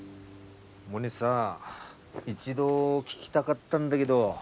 モネさ一度聞きたがったんだげど。